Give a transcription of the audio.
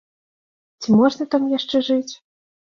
Ці можна там яшчэ жыць?